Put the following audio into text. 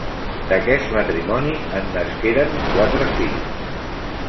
D'aquest matrimoni, en nasqueren quatre fills: